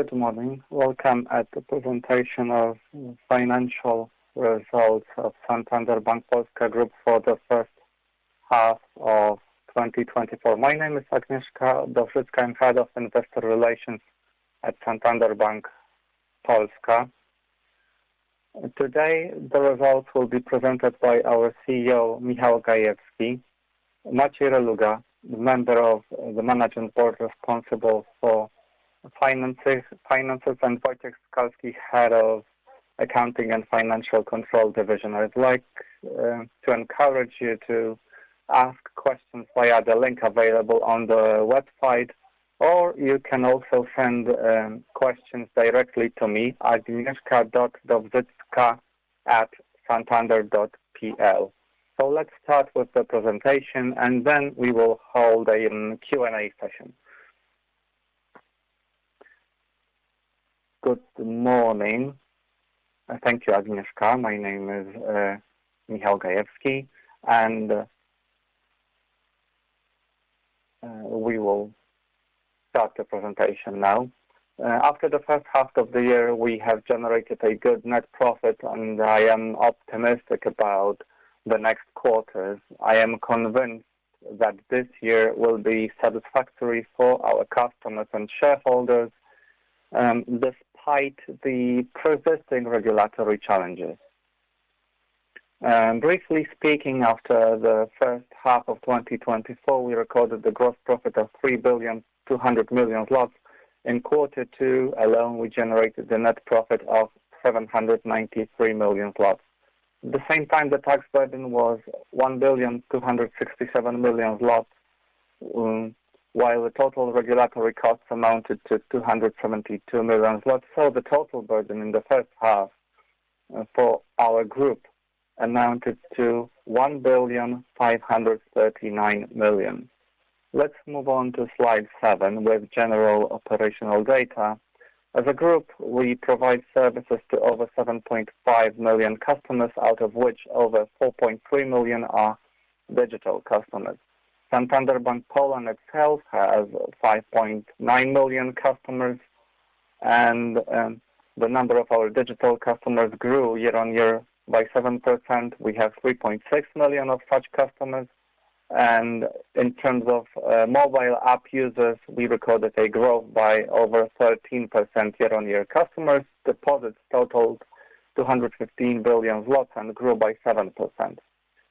Good morning. Welcome at the presentation of financial results of Santander Bank Polska Group for the first half of 2024. My name is Agnieszka Dowżycka, I'm Head of Investor Relations at Santander Bank Polska. Today, the results will be presented by our CEO, Michał Gajewski, Maciej Reluga, member of the management board responsible for finances, and Wojciech Skalski, Head of Accounting and Financial control division. I'd like to encourage you to ask questions via the link available on the website, or you can also send questions directly to me, agnieszka.dowzycka@santander.pl. Let's start with the presentation, and then we will hold a Q&A session. Good morning. Thank you, Agnieszka. My name is Michał Gajewski, and we will start the presentation now. After the first half of the year, we have generated a good net profit, and I am optimistic about the next quarter. I am convinced that this year will be satisfactory for our customers and shareholders, despite the persisting regulatory challenges. Briefly speaking, after the first half of 2024, we recorded the gross profit of 3,200 million zlotys. In quarter two alone, we generated the net profit of 793 million zlotys. At the same time, the tax burden was 1,267 million zlotys, while the total regulatory costs amounted to 272 million zlotys. So the total burden in the first half for our group amounted to 1,539 million. Let's move on to slide seven with general operational data. As a group, we provide services to over 7.5 million customers, out of which over 4.3 million are digital customers. Santander Bank Polska itself has 5.9 million customers, and the number of our digital customers grew year-over-year by 7%. We have 3.6 million of such customers. In terms of mobile app users, we recorded a growth by over 13% year-over-year. Customers' deposits totaled 215 billion and grew by 7%.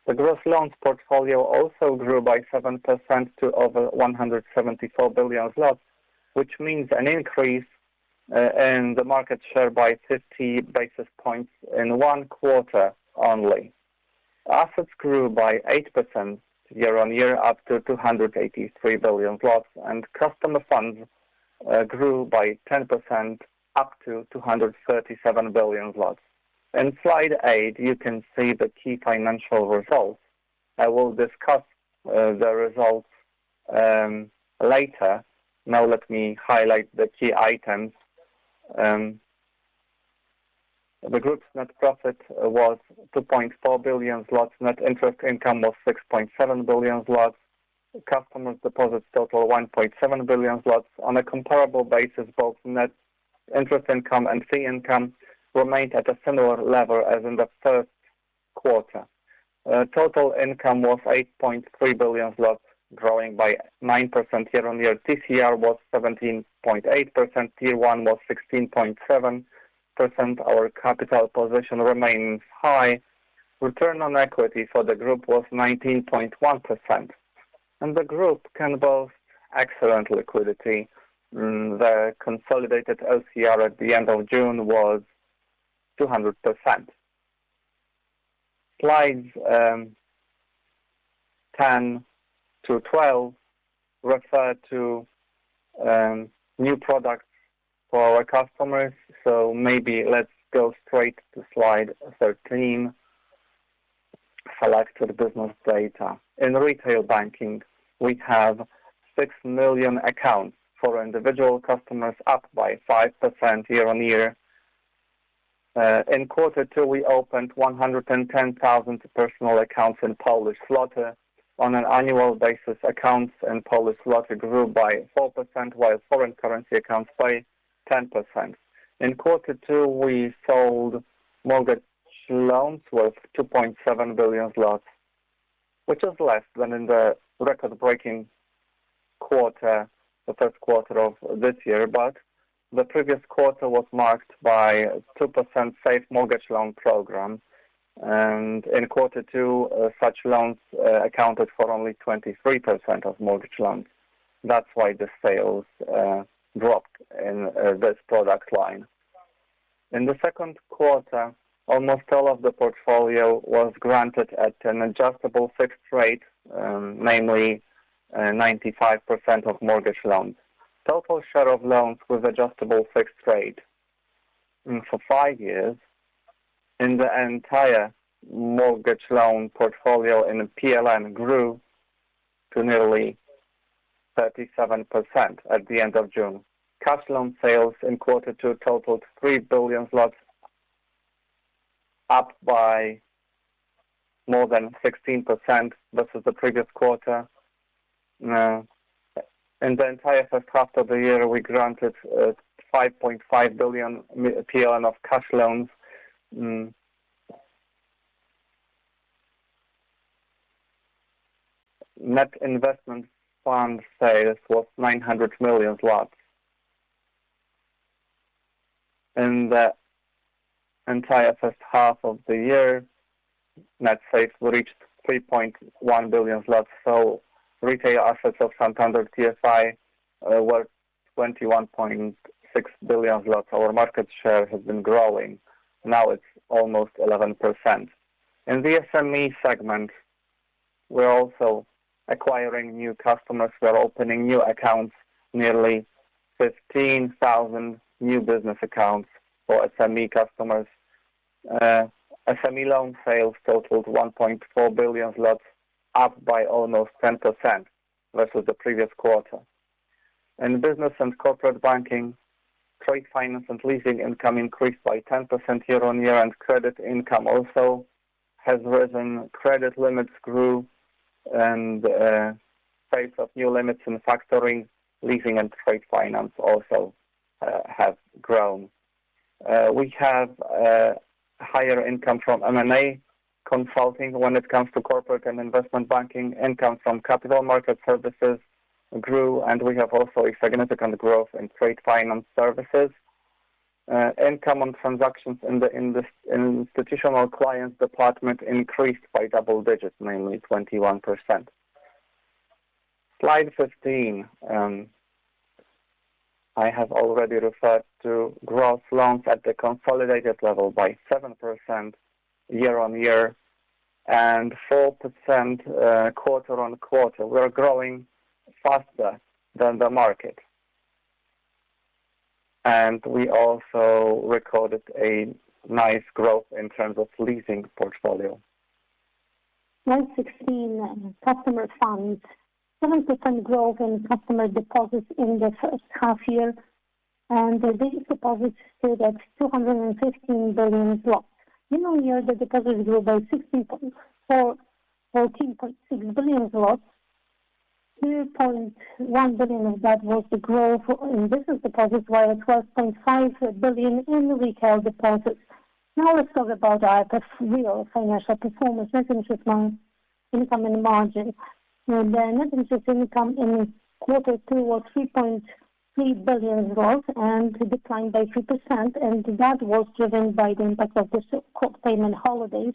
The gross loans portfolio also grew by 7% to over 174 billion zlotys, which means an increase in the market share by 50 basis points in one quarter only. Assets grew by 8% year-over-year, up to 283 billion, and customer funds grew by 10%, up to 237 billion. In slide eight, you can see the key financial results. I will discuss the results later. Now, let me highlight the key items. The group's net profit was 2.4 billion zlotys. Net interest income was 6.7 billion zlotys. Customers' deposits totaled 1.7 billion zlotys. On a comparable basis, both net interest income and fee income remained at a similar level as in the first quarter. Total income was 8.3 billion zlotys, growing by 9% year-over-year. TCR was 17.8%. Tier one was 16.7%. Our capital position remains high. Return on equity for the group was 19.1%. The group can boast excellent liquidity. The consolidated LCR at the end of June was 200%. Slides 10 to 12 refer to new products for our customers. Maybe let's go straight to slide 13, select the business data. In retail banking, we have six million accounts for individual customers, up by 5% year-on-year. In quarter two, we opened 110,000 personal accounts in Polish zloty. On an annual basis, accounts in Polish zloty grew by 4%, while foreign currency accounts by 10%. In quarter two, we sold mortgage loans worth 2.7 billion zlotys, which is less than in the record-breaking quarter, the first quarter of this year. The previous quarter was marked by a 2% Safe Credit mortgage loan program. In quarter two, such loans accounted for only 23% of mortgage loans. That's why the sales dropped in this product line. In the second quarter, almost all of the portfolio was granted at an adjustable fixed rate, namely 95% of mortgage loans. Total share of loans with adjustable fixed rate for five years in the entire mortgage loan portfolio in PLN grew to nearly 37% at the end of June. Cash loan sales in quarter two totaled 3 billion zlotys, up by more than 16% versus the previous quarter. In the entire first half of the year, we granted 5.5 billion PLN of cash loans. Net investment fund sales was 900 million. In the entire first half of the year, net sales reached 3.1 billion zlotys. So retail assets of Santander TFI were 21.6 billion zlotys. Our market share has been growing. Now it's almost 11%. In the SME segment, we're also acquiring new customers. We're opening new accounts, nearly 15,000 new business accounts for SME customers. SME loan sales totaled 1.4 billion zlotys, up by almost 10% versus the previous quarter. In business and corporate banking, trade finance and leasing income increased by 10% year-on-year, and credit income also has risen. Credit limits grew, and the sales of new limits in factoring, leasing, and trade finance also have grown. We have higher income from M&A consulting when it comes to corporate and investment banking. Income from capital market services grew, and we have also a significant growth in trade finance services. Income on transactions in the institutional clients department increased by double digits, namely 21%. Slide 15. I have already referred to gross loans at the consolidated level by 7% year-on-year and 4% quarter-on-quarter. We're growing faster than the market. We also recorded a nice growth in terms of leasing portfolio. Slide 16 customer funds, 7% growth in customer deposits in the first half year. The deposits stood at 215 billion. Year-on-year, the deposits grew by 14.6 billion. 2.1 billion of that was the growth in business deposits, while 12.5 billion in retail deposits. Now let's talk about our financial performance, net interest income and margin. The net interest income in quarter two was PLN 3.3 billion and declined by 3%. That was driven by the impact of the COVID payment holidays,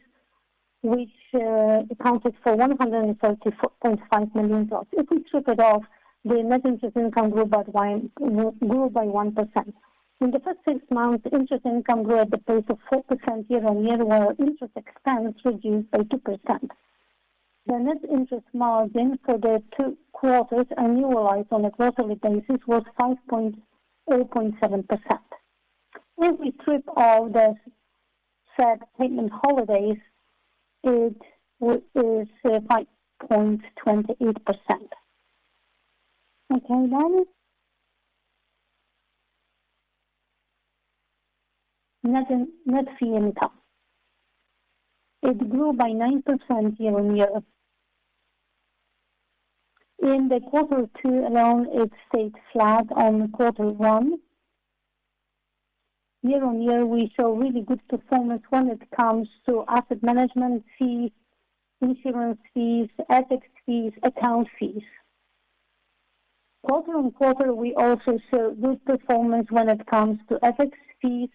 which accounted for 130.5 million. If we strip it off, the net interest income grew by 1%. In the first six months, interest income grew at the pace of 4% year-on-year, while interest expense reduced by 2%. The net interest margin for the two quarters, annualized on a quarterly basis, was 5.7%. If we strip off the COVID payment holidays, it is 5.28%. Okay, now net net fee income. It grew by 9% year-on-year. In quarter two alone, it stayed flat on quarter one. Year-on-year, we show really good performance when it comes to asset management fees, insurance fees, FX fees, account fees. Quarter-on-quarter, we also show good performance when it comes to FX fees,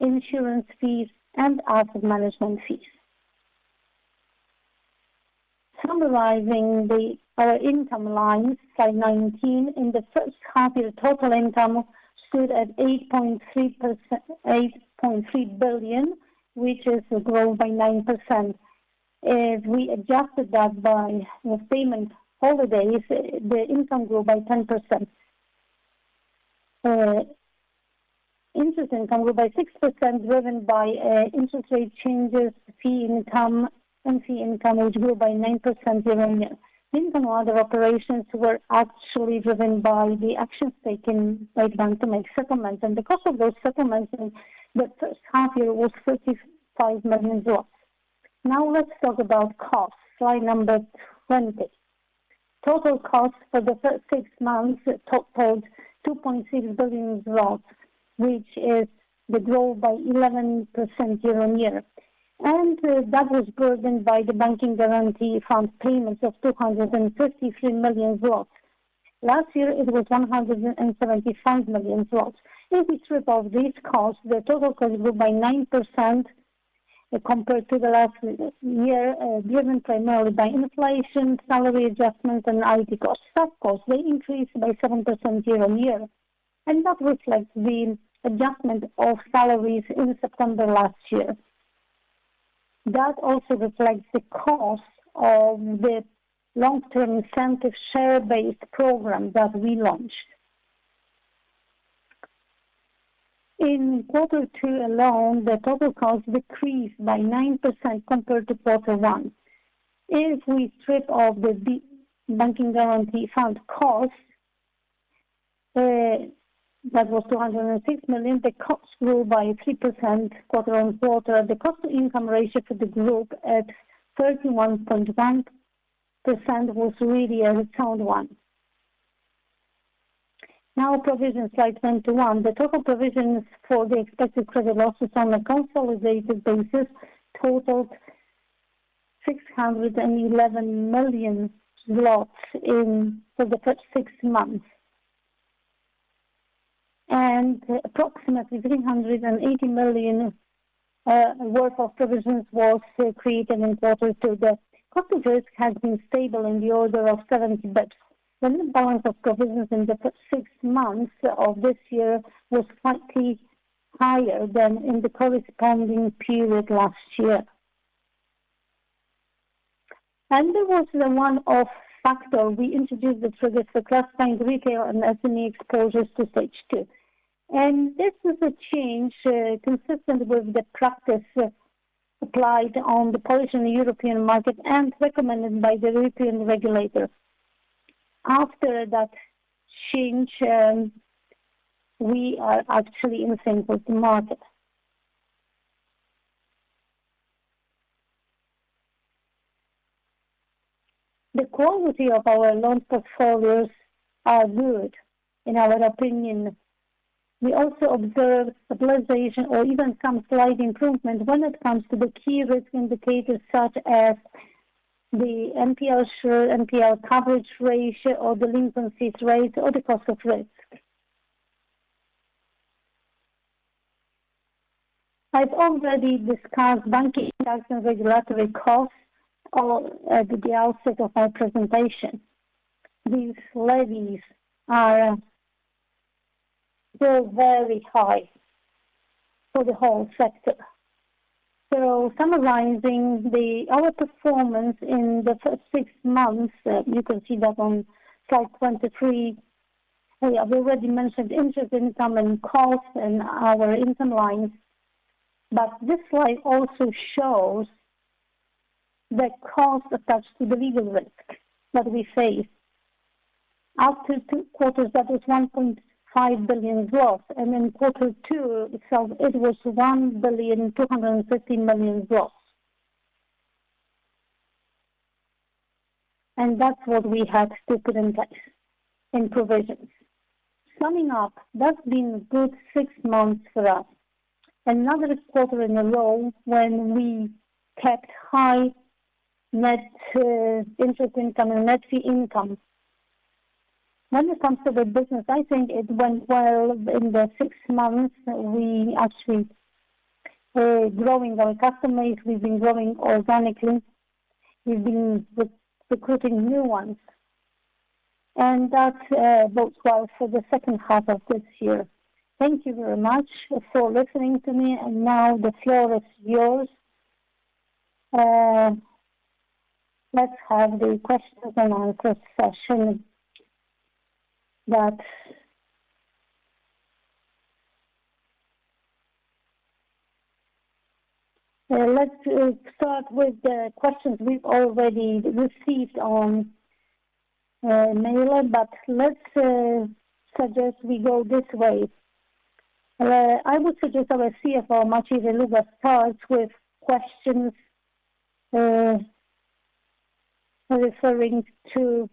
insurance fees, and asset management fees. Summarizing our income lines, slide 19, in the first half year, total income stood at 8.3 billion, which is a growth by 9%. If we adjusted that by payment holidays, the income grew by 10%. Interest income grew by 6%, driven by interest rate changes, fee income, and fee income, which grew by 9% year-on-year. The income of other operations were actually driven by the actions taken by bank to make settlements. The cost of those settlements in the first half year was PLN 35 million. Now let's talk about costs. Slide number 20. Total costs for the first six months totaled 2.6 billion, which is the growth by 11% year-on-year. And that was burdened by the Bank Guarantee Fund payments of 253 million zloty. Last year, it was 175 million zloty. If we strip off these costs, the total cost grew by 9% compared to the last year, driven primarily by inflation, salary adjustments, and IT costs. Of course, they increased by 7% year-on-year, and that reflects the adjustment of salaries in September last year. That also reflects the cost of the long-term incentive share-based program that we launched. In quarter two alone, the total cost decreased by 9% compared to quarter one. If we strip off the Bank Guarantee Fund costs, that was 206 million, the cost grew by 3% quarter-on-quarter. The cost-to-income ratio for the group at 31.1% was really a sound one. Now, provisions, slide 21. The total provisions for the expected credit losses on a consolidated basis totaled 611 million for the first six months. Approximately 380 million worth of provisions was created in quarter two. The cost of risk has been stable in the order of 70 bps. The net balance of provisions in the first six months of this year was slightly higher than in the corresponding period last year. There was the one-off factor. We introduced the triggers for classifying retail and SME exposures to stage two. This was a change consistent with the practice applied on the Polish and European market and recommended by the European regulator. After that change, we are actually in sync with the market. The quality of our loan portfolios is good, in our opinion. We also observed stabilization or even some slight improvement when it comes to the key risk indicators, such as the NPL ratio, NPL coverage ratio, or the delinquency rate, or the cost of risk. I've already discussed banking institution regulatory costs at the outset of my presentation. These levies are still very high for the whole sector. So summarizing our performance in the first six months, you can see that on slide 23, we have already mentioned interest income and costs in our income lines. But this slide also shows the cost attached to the legal risk that we face. After two quarters, that was 1.5 billion. And in quarter two itself, it was 1,250 million. And that's what we had to put in place in provisions. Summing up, that's been a good six months for us. Another quarter in a row when we kept high net interest income and net fee income. When it comes to the business, I think it went well in the six months. We actually are growing our customers. We've been growing organically. We've been recruiting new ones. That's bodes well for the second half of this year. Thank you very much for listening to me. Now the floor is yours. Let's have the questions and answers session. Let's start with the questions we've already received on email. Let's suggest we go this way. I would suggest our CFO, Maciej Reluga, starts with questions referring to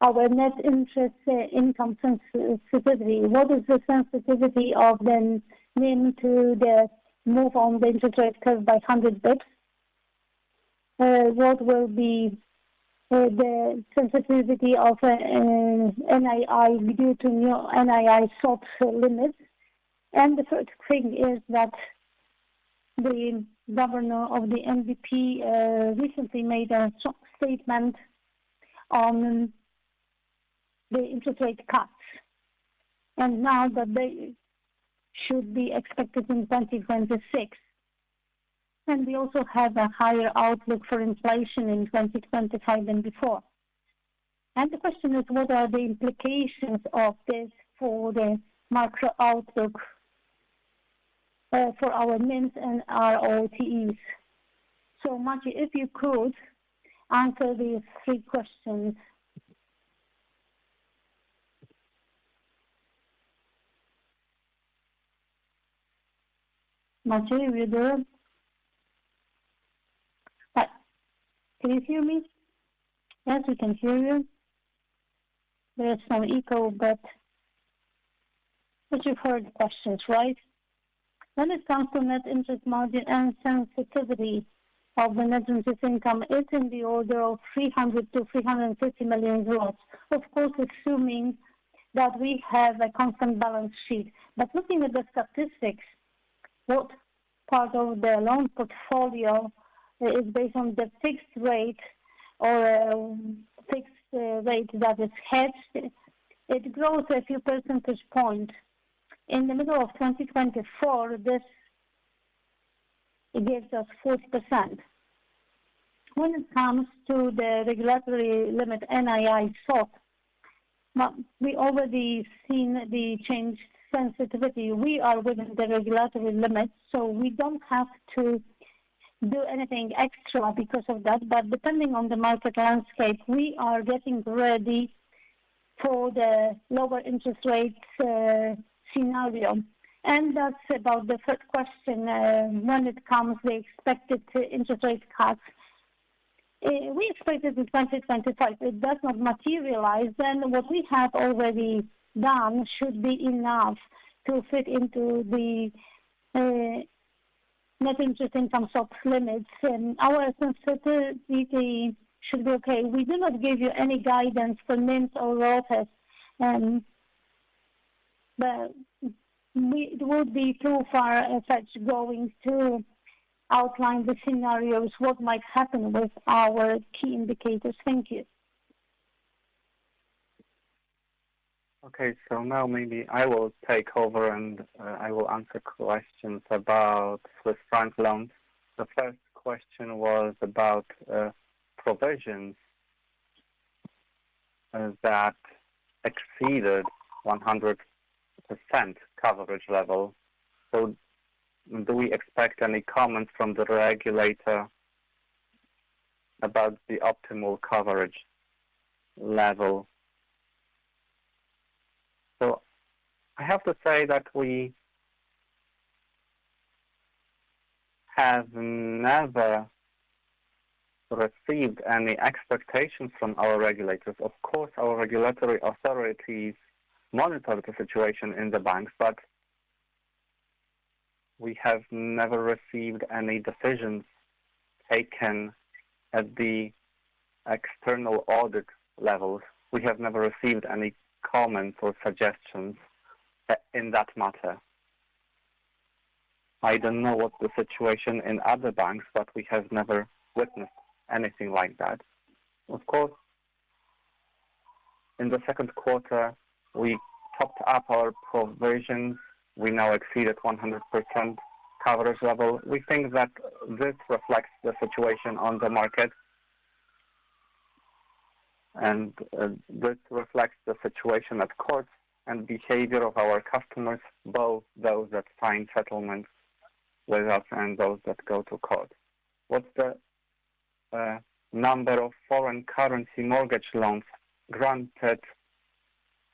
our net interest income sensitivity. What is the sensitivity of the NIM to the move on the interest rate curve by 100 basis points? What will be the sensitivity of NII due to new NII soft limits? The first thing is that the governor of the NBP recently made a short statement on the interest rate cuts. Now that they should be expected in 2026. We also have a higher outlook for inflation in 2025 than before. The question is, what are the implications of this for the macro outlook for our NIMs and ROTEs? So Maciej, if you could answer these three questions. Maciej, are you there? Can you hear me? Yes, we can hear you. There's some echo, but you've heard the questions, right? When it comes to net interest margin and sensitivity of the net interest income, it's in the order of PLN 300 million-PLN 350 million, of course, assuming that we have a constant balance sheet. But looking at the statistics, what part of the loan portfolio is based on the fixed rate or a fixed rate that is hedged? It grows a few percentage points. In the middle of 2024, this gives us 40%. When it comes to the regulatory limit, NII floor. We've already seen the changed sensitivity. We are within the regulatory limits, so we don't have to do anything extra because of that. But depending on the market landscape, we are getting ready for the lower interest rate scenario. And that's about the first question. When it comes to the expected interest rate cuts, we expect it in 2025. If that's not materialized, then what we have already done should be enough to fit into the net interest income floor limits. And our sensitivity should be okay. We do not give you any guidance for NIMs or ROTAs. It would be too far as such going to outline the scenarios, what might happen with our key indicators. Thank you. Okay. So now maybe I will take over and I will answer questions about Swiss franc loans. The first question was about provisions that exceeded 100% coverage level. So do we expect any comments from the regulator about the optimal coverage level? So I have to say that we have never received any expectations from our regulators. Of course, our regulatory authorities monitor the situation in the banks, but we have never received any decisions taken at the external audit levels. We have never received any comments or suggestions in that matter. I don't know what the situation is in other banks, but we have never witnessed anything like that. Of course, in the second quarter, we topped up our provisions. We now exceeded 100% coverage level. We think that this reflects the situation on the market. This reflects the situation at court and behavior of our customers, both those that find settlements with us and those that go to court. What's the number of foreign currency mortgage loans granted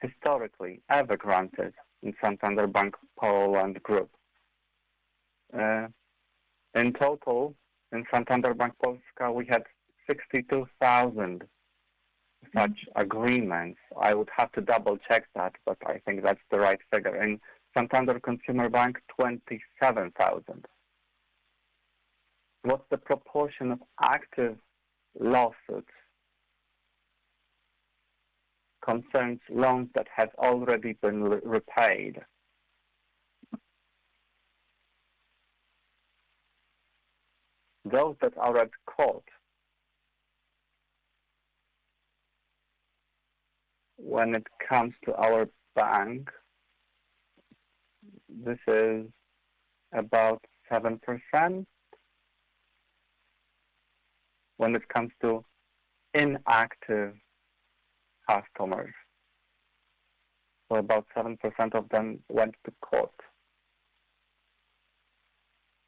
historically, ever granted in Santander Bank Polska Group? In total, in Santander Bank Polska, we had 62,000 such agreements. I would have to double-check that, but I think that's the right figure. In Santander Consumer Bank, 27,000. What's the proportion of active lawsuits concerning loans that have already been repaid? Those that are at court. When it comes to our bank, this is about 7%. When it comes to inactive customers, about 7% of them went to court.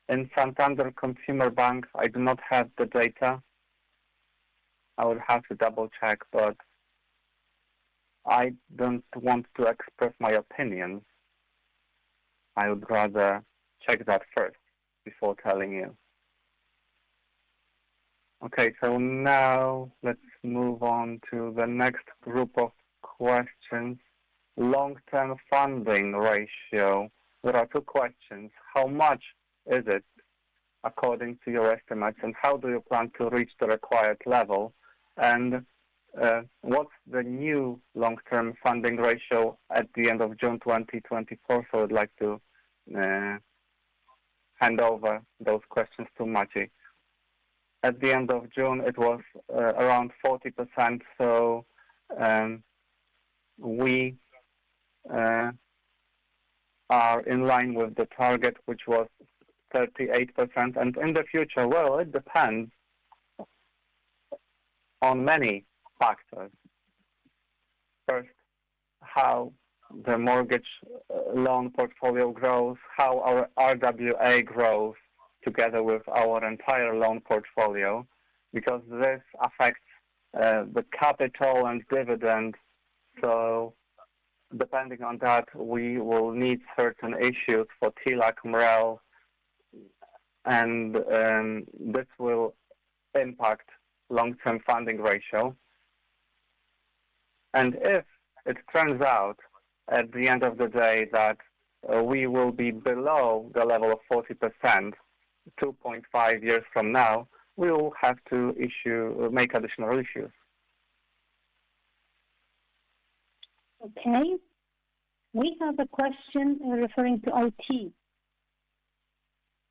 In Santander Consumer Bank, I do not have the data. I would have to double-check, but I don't want to express my opinion. I would rather check that first before telling you. Okay. So now let's move on to the next group of questions. Long-term funding ratio. There are two questions. How much is it according to your estimates? And how do you plan to reach the required level? And what's the new long-term funding ratio at the end of June 2024? So I'd like to hand over those questions to Maciej. At the end of June, it was around 40%. So we are in line with the target, which was 38%. And in the future, well, it depends on many factors. First, how the mortgage loan portfolio grows, how our RWA grows together with our entire loan portfolio, because this affects the capital and dividends. So depending on that, we will need certain issues for TLAC, MREL, and this will impact long-term funding ratio. If it turns out at the end of the day that we will be below the level of 40% 2.5 years from now, we will have to issue additional issues. Okay. We have a question referring to IT.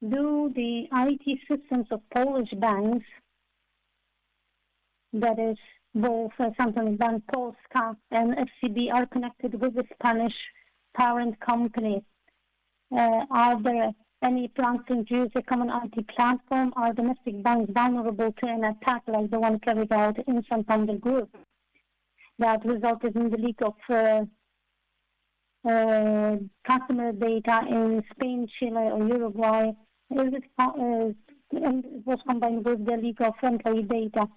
Do the IT systems of Polish banks, that is, both Santander Bank Polska and SCB, are connected with the Spanish parent company? Are there any plans to introduce a common IT platform? Are domestic banks vulnerable to an attack like the one carried out in Santander Group that resulted in the leak of customer data in Spain, Chile, or Uruguay? And it was combined with the leak of employee data.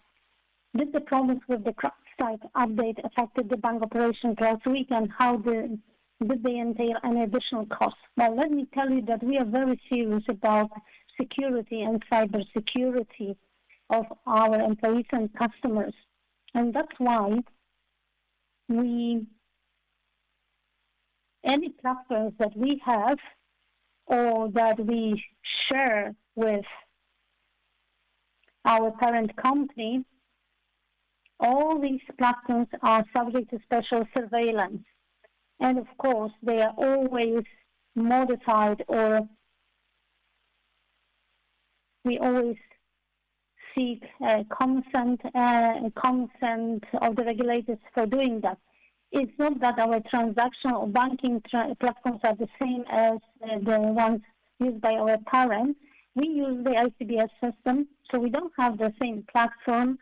Did the problems with the CrowdStrike update affect the bank's operation last week? And how did they entail any additional costs? Well, let me tell you that we are very serious about security and cybersecurity of our employees and customers. And that's why any platforms that we have or that we share with our parent company, all these platforms are subject to special surveillance. Of course, they are always modified or we always seek consent of the regulators for doing that. It's not that our transactional banking platforms are the same as the ones used by our parent. We use the ICBS system, so we don't have the same platform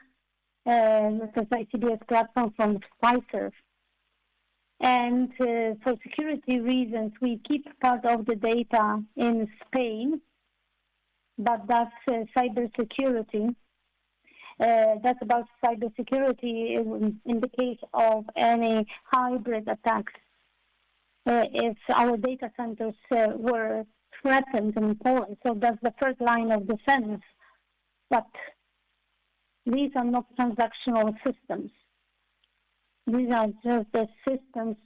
as the ICBS platform from our parent. And for security reasons, we keep part of the data in Spain, but that's cybersecurity. That's about cybersecurity in the case of any hybrid attacks. If our data centers were threatened in Poland, so that's the first line of defense. But these are not transactional systems. These are just the systems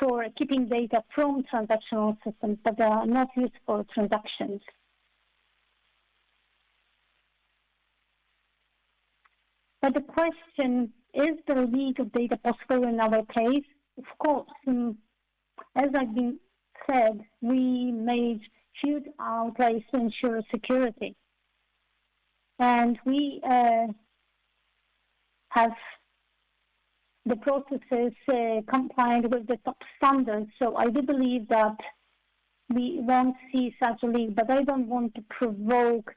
for keeping data from transactional systems, but they are not used for transactions. But the question is, is the leak of data possible in other cases? Of course. As I've said, we made huge outlays to ensure security. We have the processes compliant with the top standards. I do believe that we won't see such a leak, but I don't want to provoke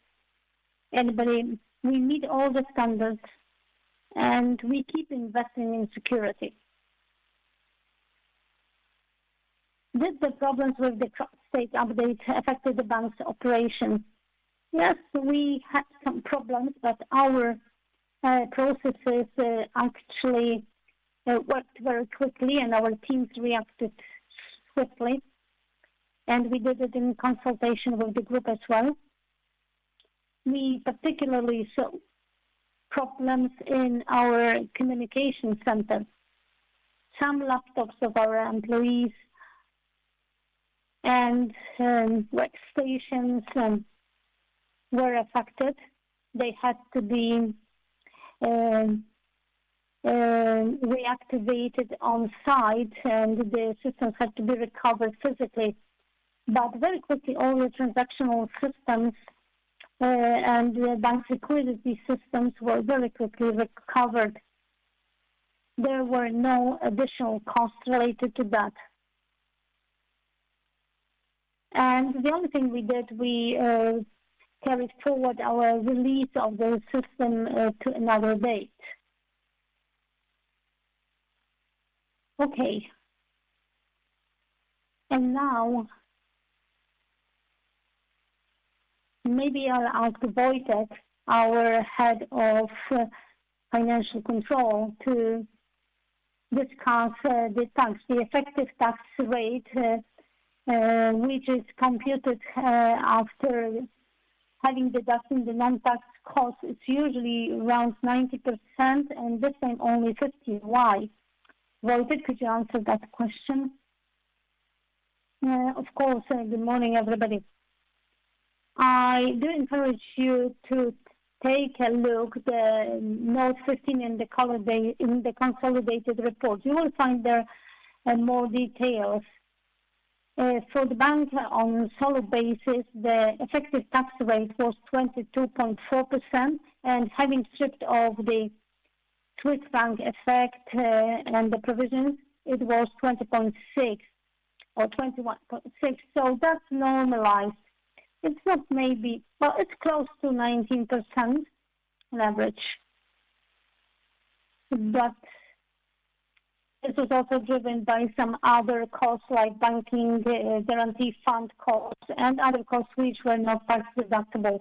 anybody. We meet all the standards, and we keep investing in security. Did the problems with the CrowdStrike update affect the bank's operation? Yes, we had some problems, but our processes actually worked very quickly, and our teams reacted swiftly. We did it in consultation with the group as well. We particularly saw problems in our communication center. Some laptops of our employees and workstations were affected. They had to be reactivated on site, and the systems had to be recovered physically. Very quickly, all the transactional systems and the bank's liquidity systems were very quickly recovered. There were no additional costs related to that. The only thing we did, we carried forward our release of the system to another date. Okay. Now maybe I'll ask Wojciech, our head of financial control, to discuss the effective tax rate, which is computed after having deducted the non-tax costs. It's usually around 90%, and this time only 50%. Why? Wojciech, could you answer that question? Of course, good morning, everybody. I do encourage you to take a look at the note 15 in the consolidated report. You will find there more details. For the bank, on a solid basis, the effective tax rate was 22.4%. And having stripped off the Swiss bank effect and the provisions, it was 20.6 or 21.6. So that's normalized. It's not maybe well, it's close to 19% on average. But this was also driven by some other costs, like Bank Guarantee Fund costs and other costs which were not tax-deductible.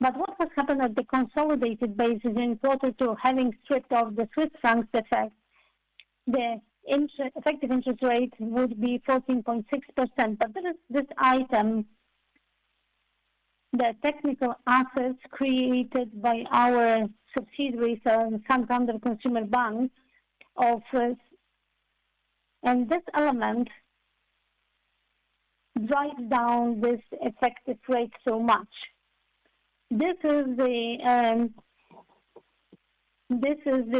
But what has happened at the consolidated basis in parallel to having stripped off the Swiss bank effect, the effective interest rate would be 14.6%. But this item, the technical assets created by our subsidiaries of Santander Consumer Bank, and this element drives down this effective rate so much. This is the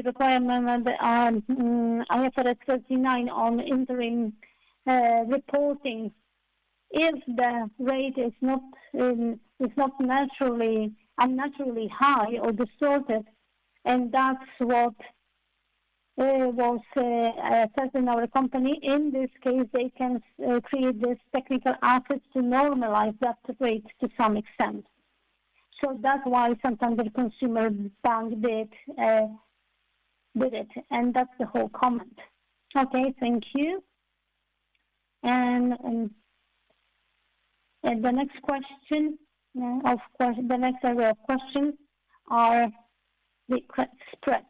requirement of IAS 39 on interim reporting. If the rate is not naturally high or distorted, and that's what was said in our company, in this case, they can create this technical asset to normalize that rate to some extent. So that's why Santander Consumer Bank did it. That's the whole comment. Okay. Thank you. The next question, of course, the next area of question are the credit spreads.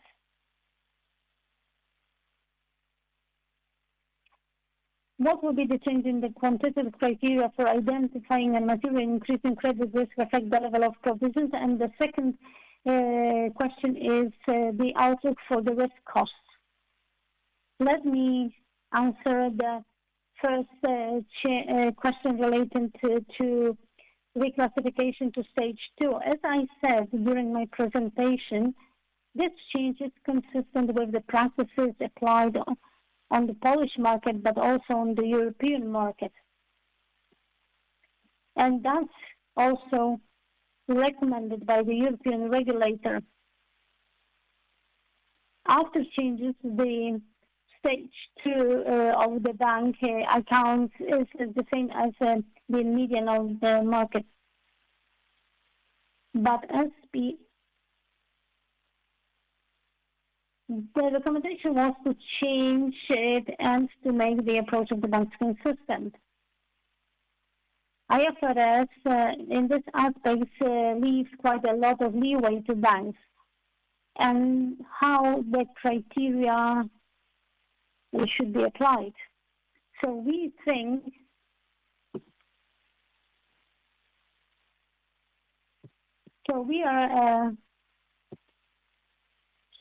What will be the change in the quantitative criteria for identifying a material increase in credit risk affecting the level of provisions? The second question is the outlook for the risk costs. Let me answer the first question related to reclassification to stage two. As I said during my presentation, this change is consistent with the practices applied on the Polish market, but also on the European market. And that's also recommended by the European regulator. After changes, the stage two of the bank accounts is the same as the median of the market. But the recommendation was to change it and to make the approach of the banks consistent. IFRS, in this aspect, leaves quite a lot of leeway to banks and how the criteria should be applied.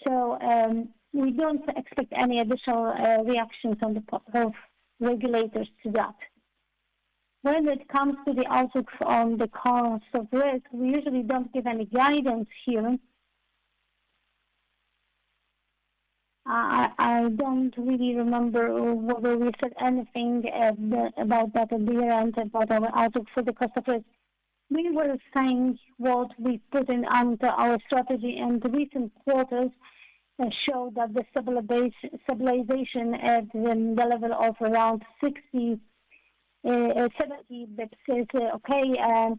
So we think so we don't expect any additional reactions on the part of regulators to that. When it comes to the outlook on the cost of risk, we usually don't give any guidance here. I don't really remember whether we said anything about that at the event about our outlook for the cost of risk. We were saying what we put into our strategy, and recent quarters showed that the stabilization at the level of around 70. It says, "Okay."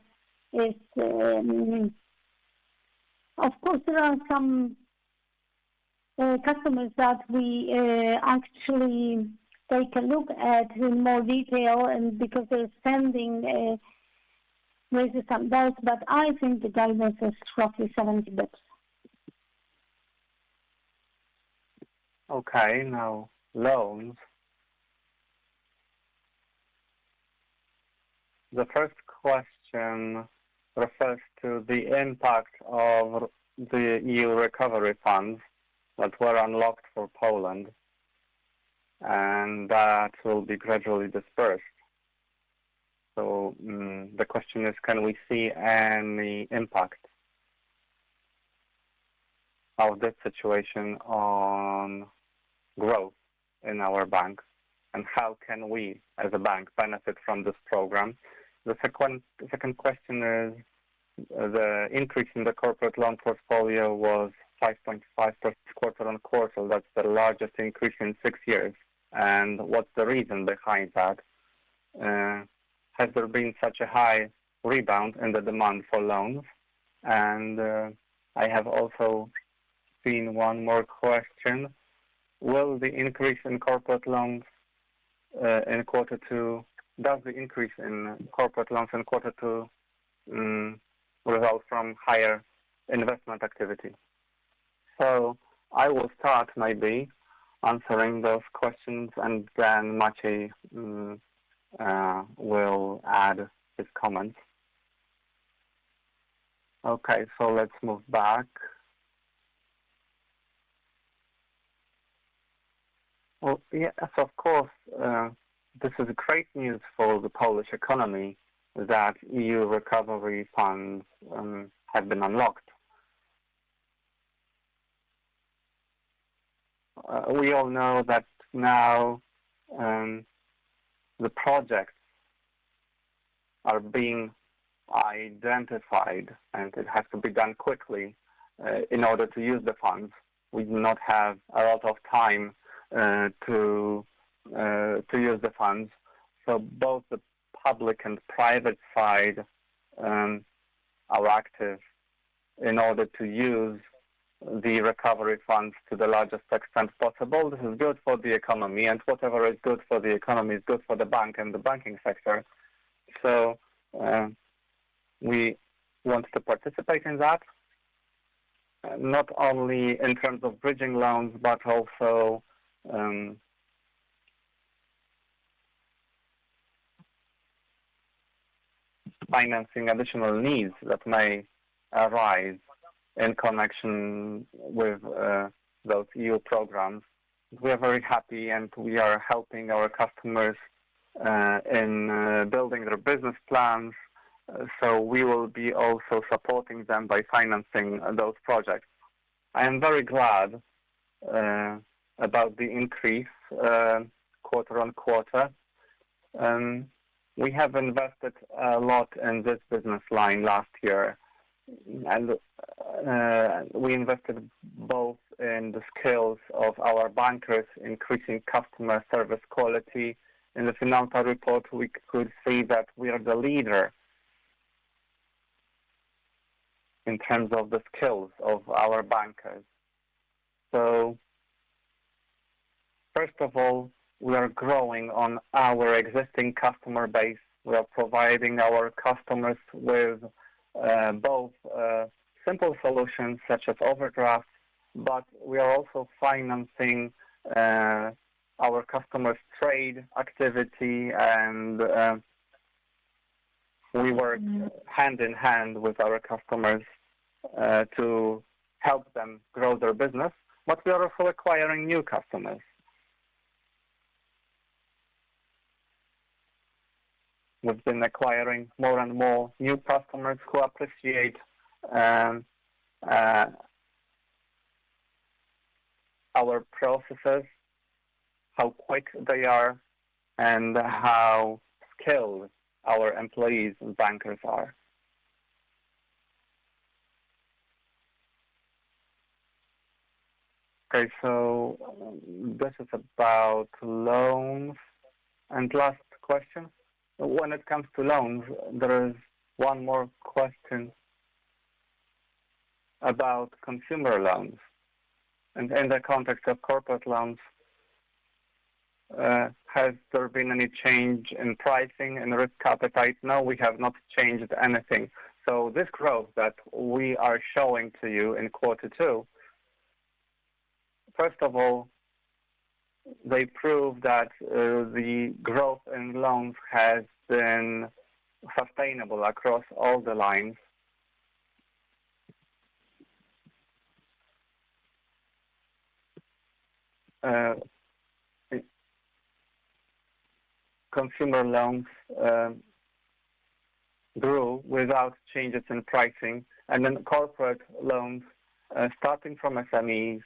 Of course, there are some customers that we actually take a look at in more detail because they're sending resistance. But I think the guidance is roughly 70 bps. Okay. Now, loans. The first question refers to the impact of the EU recovery funds that were unlocked for Poland, and that will be gradually dispersed. So the question is, can we see any impact of this situation on growth in our banks? And how can we, as a bank, benefit from this program? The second question is, the increase in the corporate loan portfolio was 5.5% quarter on quarter. That's the largest increase in six years. And what's the reason behind that? Has there been such a high rebound in the demand for loans? And I have also seen one more question. Will the increase in corporate loans in quarter two? Does the increase in corporate loans in quarter two result from higher investment activity? So I will start maybe answering those questions, and then Maciej will add his comments. Okay. So let's move back. Well, yes, of course, this is great news for the Polish economy that EU recovery funds have been unlocked. We all know that now the projects are being identified, and it has to be done quickly in order to use the funds. We do not have a lot of time to use the funds. So both the public and private side are active in order to use the recovery funds to the largest extent possible. This is good for the economy, and whatever is good for the economy is good for the bank and the banking sector. So we want to participate in that, not only in terms of bridging loans, but also financing additional needs that may arise in connection with those EU programs. We are very happy, and we are helping our customers in building their business plans. We will be also supporting them by financing those projects. I am very glad about the increase quarter-on-quarter. We have invested a lot in this business line last year. We invested both in the skills of our bankers, increasing customer service quality. In the financial report, we could see that we are the leader in terms of the skills of our bankers. First of all, we are growing on our existing customer base. We are providing our customers with both simple solutions such as overdrafts, but we are also financing our customers' trade activity. We work hand in hand with our customers to help them grow their business. We are also acquiring new customers. We've been acquiring more and more new customers who appreciate our processes, how quick they are, and how skilled our employees and bankers are. Okay. So this is about loans. The last question. When it comes to loans, there is one more question about consumer loans. And in the context of corporate loans, has there been any change in pricing and risk appetite? No, we have not changed anything. This growth that we are showing to you in quarter two, first of all, they prove that the growth in loans has been sustainable across all the lines. Consumer loans grew without changes in pricing. Corporate loans, starting from SMEs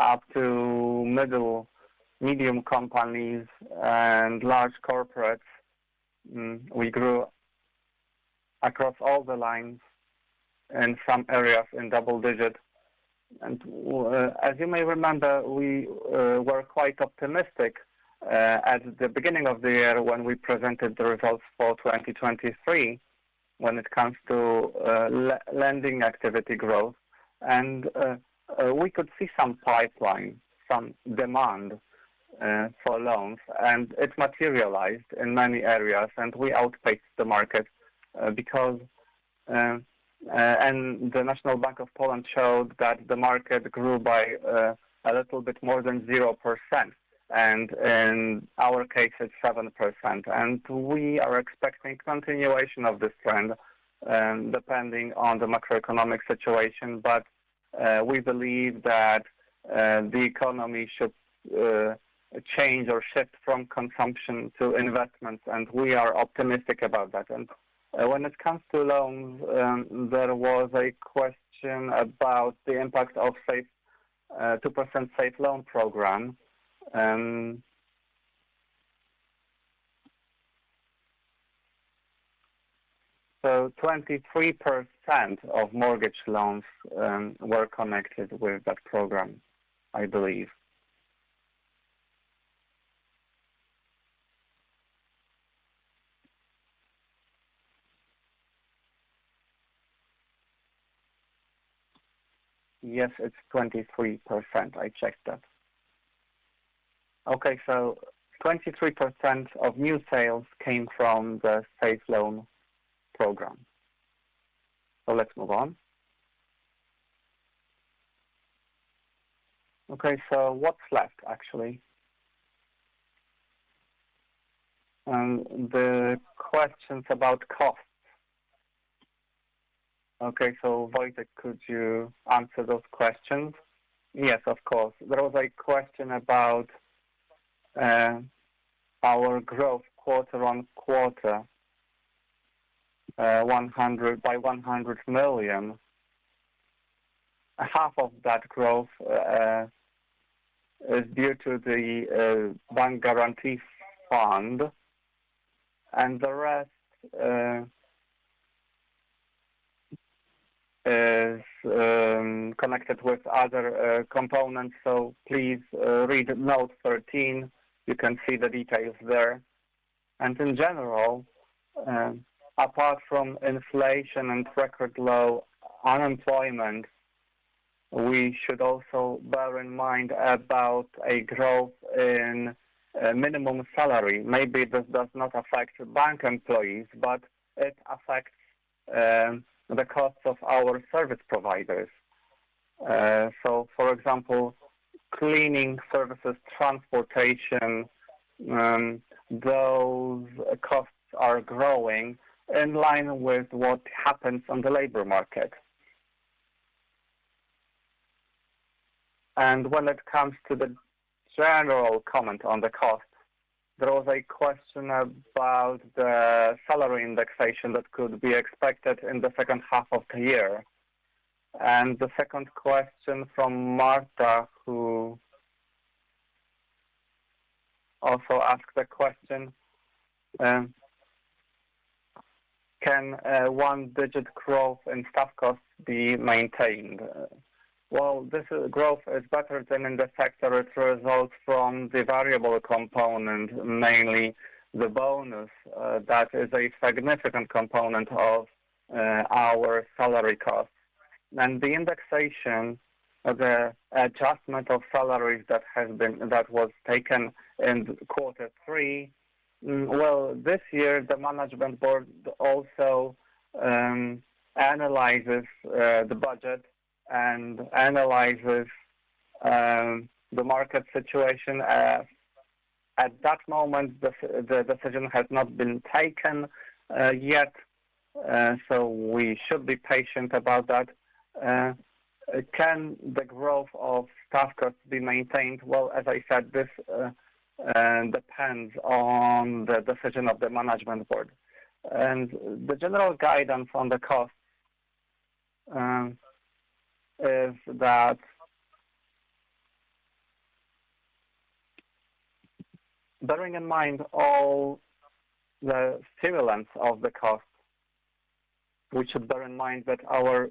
up to middle, medium companies and large corporates, we grew across all the lines in some areas in double digits. As you may remember, we were quite optimistic at the beginning of the year when we presented the results for 2023 when it comes to lending activity growth. And we could see some pipeline, some demand for loans, and it materialized in many areas. We outpaced the market because the National Bank of Poland showed that the market grew by a little bit more than 0%. And in our case, it's 7%. And we are expecting continuation of this trend depending on the macroeconomic situation. But we believe that the economy should change or shift from consumption to investments. And we are optimistic about that. And when it comes to loans, there was a question about the impact of 2% safe loan program. So 23% of mortgage loans were connected with that program, I believe. Yes, it's 23%. I checked that. Okay. So 23% of new sales came from the safe loan program. So let's move on. Okay. So what's left, actually? And the questions about costs. Okay. So Wojtek, could you answer those questions? Yes, of course. There was a question about our growth quarter on quarter by 100 million. Half of that growth is due to the Bank Guarantee Fund. The rest is connected with other components. Please read note 13. You can see the details there. In general, apart from inflation and record low unemployment, we should also bear in mind about a growth in minimum salary. Maybe this does not affect bank employees, but it affects the costs of our service providers. For example, cleaning services, transportation, those costs are growing in line with what happens on the labor market. When it comes to the general comment on the cost, there was a question about the salary indexation that could be expected in the second half of the year. The second question from Marta, who also asked the question, "Can one-digit growth in staff costs be maintained?" Well, this growth is better than in the sector. It results from the variable component, mainly the bonus that is a significant component of our salary costs. And the indexation, the adjustment of salaries that was taken in quarter three, well, this year, the management board also analyzes the budget and analyzes the market situation. At that moment, the decision has not been taken yet, so we should be patient about that. Can the growth of staff costs be maintained? Well, as I said, this depends on the decision of the management board. And the general guidance on the cost is that, bearing in mind all the stimulants of the cost, we should bear in mind that our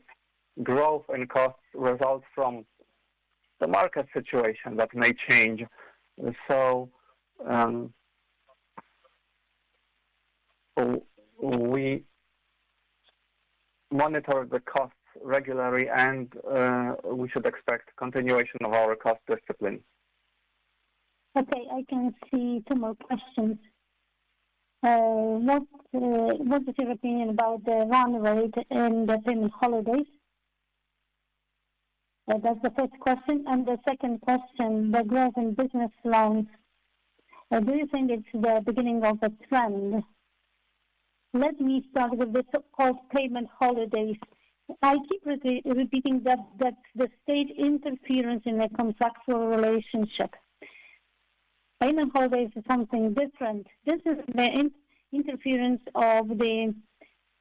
growth in costs results from the market situation that may change. We monitor the costs regularly, and we should expect continuation of our cost discipline. Okay. I can see two more questions. What's your opinion about the run rate in the payment holidays? That's the first question. And the second question, the growth in business loans, do you think it's the beginning of a trend? Let me start with the so-called payment holidays. I keep repeating that the state interferes in a contractual relationship. Payment holidays is something different. This is the interference of the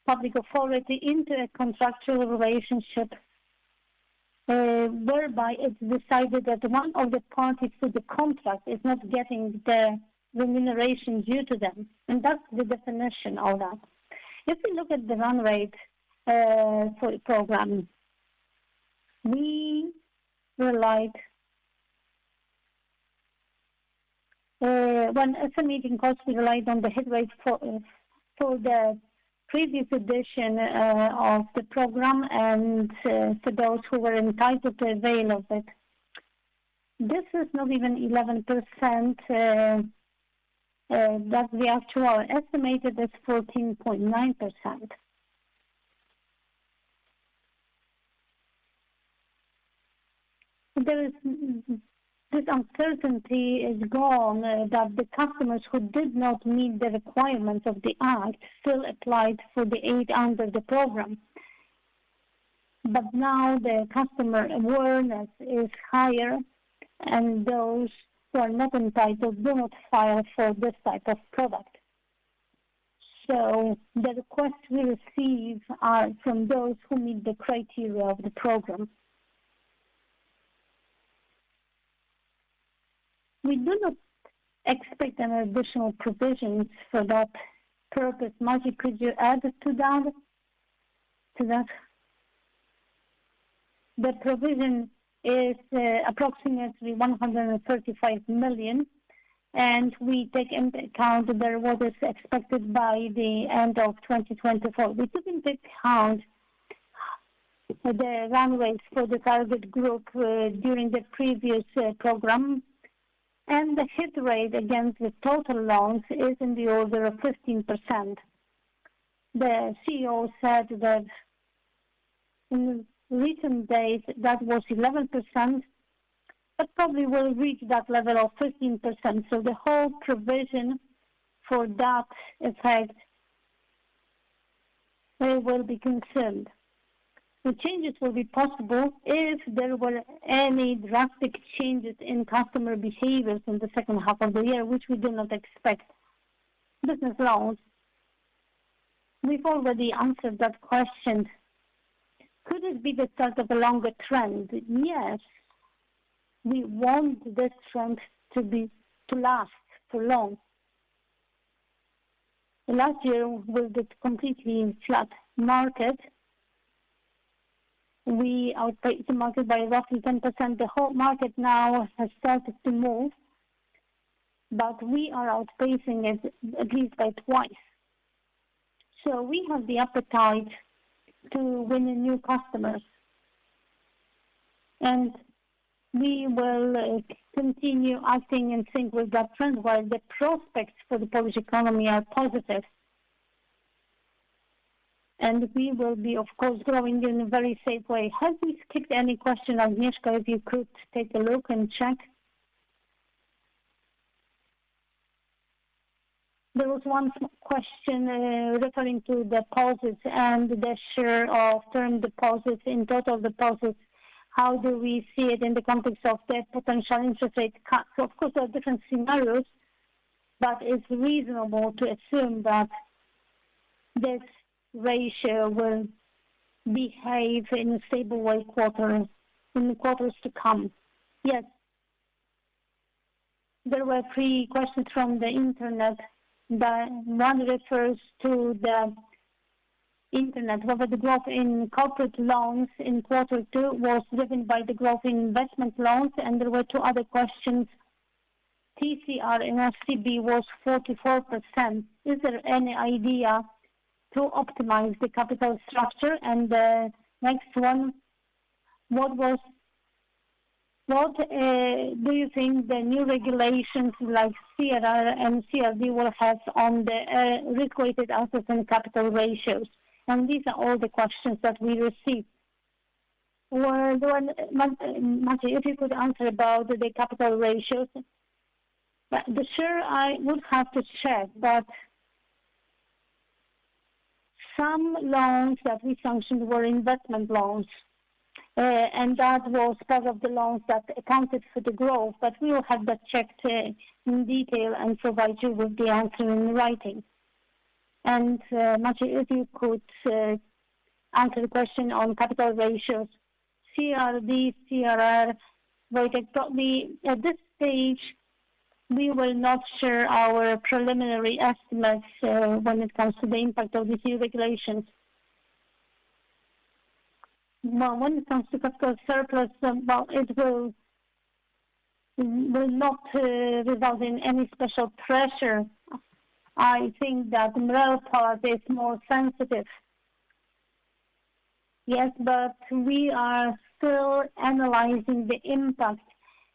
public authority into a contractual relationship whereby it's decided that one of the parties to the contract is not getting the remuneration due to them. And that's the definition of that. If we look at the run rate for the program, we relied when SMEs in cost, we relied on the headway for the previous edition of the program and for those who were entitled to avail of it. This is not even 11%. The actual estimated is 14.9%. This uncertainty is gone that the customers who did not meet the requirements of the act still applied for the aid under the program. But now the customer awareness is higher, and those who are not entitled do not file for this type of product. So the requests we receive are from those who meet the criteria of the program. We do not expect any additional provisions for that purpose. Maciej, could you add to that? The provision is approximately 135 million, and we take into account what is expected by the end of 2024. We took into account the run rates for the target group during the previous program, and the headway against the total loans is in the order of 15%. The CEO said that in recent days that was 11%, but probably will reach that level of 15%. So the whole provision for that effect, they will be concerned. The changes will be possible if there were any drastic changes in customer behaviors in the second half of the year, which we do not expect. Business loans, we've already answered that question. Could it be the start of a longer trend? Yes. We want this trend to last for long. Last year, we were completely in flat market. We outpaced the market by roughly 10%. The whole market now has started to move, but we are outpacing it at least by twice. So we have the appetite to win new customers. And we will continue acting in sync with that trend while the prospects for the Polish economy are positive. And we will be, of course, growing in a very safe way. Have we skipped any question? Agnieszka, if you could take a look and check. There was one question referring to deposits and the share of term deposits in total deposits. How do we see it in the context of the potential interest rate cuts? Of course, there are different scenarios, but it's reasonable to assume that this ratio will behave in a stable way in the quarters to come. Yes. There were three questions from the internet. One refers to the investment. Was it the growth in corporate loans in quarter two? Was driven by the growth in investment loans? And there were two other questions. TCR in SCB was 44%. Is there any idea to optimize the capital structure? And the next one, what do you think the new regulations like CRR and CRD will have on the RWAs and capital ratios? And these are all the questions that we received. Maciej, if you could answer about the capital ratios. Sure, I would have to check, but some loans that we sanctioned were investment loans, and that was part of the loans that accounted for the growth. But we will have that checked in detail and provide you with the answer in writing. And Maciej, if you could answer the question on capital ratios, CRD, CRR, Wojtek, probably at this stage, we will not share our preliminary estimates when it comes to the impact of these new regulations. When it comes to capital surplus, well, it will not result in any special pressure. I think that MREL part is more sensitive. Yes, but we are still analyzing the impact,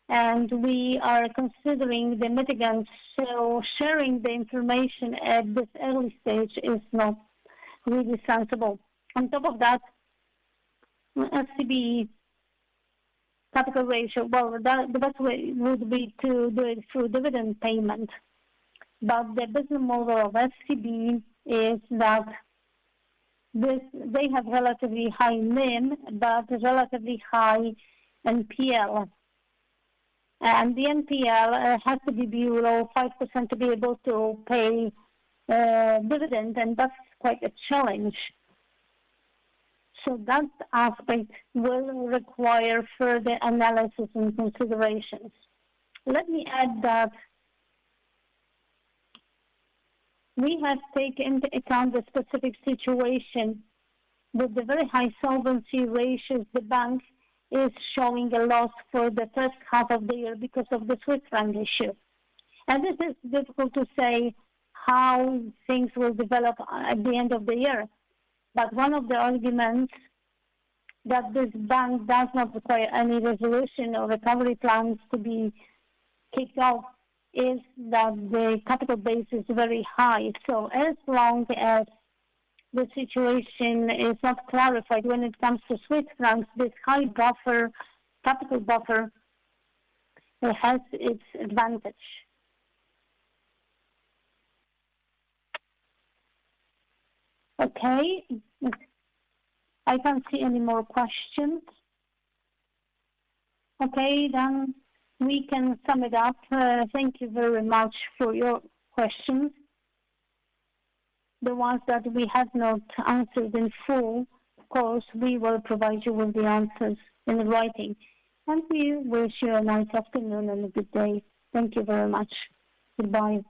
and we are considering the mitigants. So sharing the information at this early stage is not really sensible. On top of that, SCB capital ratio, well, the best way would be to do it through dividend payment. The business model of SCB is that they have relatively high NIM, but relatively high NPL. The NPL has to be below 5% to be able to pay dividends, and that's quite a challenge. That aspect will require further analysis and considerations. Let me add that we have taken into account the specific situation with the very high solvency ratios. The bank is showing a loss for the first half of the year because of the Swiss franc issue. This is difficult to say how things will develop at the end of the year. One of the arguments that this bank does not require any resolution or recovery plans to be kicked off is that the capital base is very high. As long as the situation is not clarified when it comes to Swiss francs, this high capital buffer has its advantage. Okay. I can't see any more questions. Okay. Then we can sum it up. Thank you very much for your questions. The ones that we have not answered in full, of course, we will provide you with the answers in writing. We wish you a nice afternoon and a good day. Thank you very much. Goodbye.